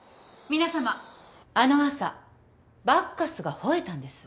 皆さまあの朝バッカスが吠えたんです。